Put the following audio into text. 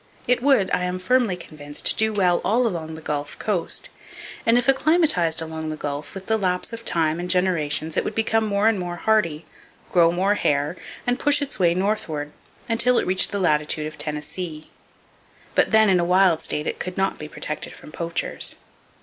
It would, I am firmly convinced, do well all along the Gulf coast, and if acclimatized along the Gulf, with the lapse of time and generations it would become more and more hardy, grow more hair, and push its way northward, until it reached the latitude of Tennessee. But then, in a wild state it could not be protected from poachers.